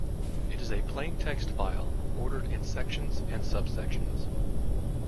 It is a plain text file ordered into sections and subsections.